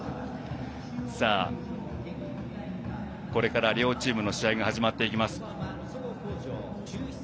これから両チームの試合が始まっていきます。